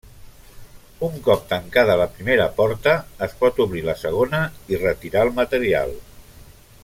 Un cop tancada la primera porta es pot obrir la segona i retirar el material.